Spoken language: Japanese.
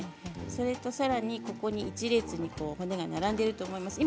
それとさらに、ここに１列に骨が並んでいると思います。